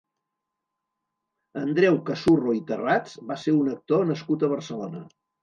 Andreu Cazurro i Terrats va ser un actor nascut a Barcelona.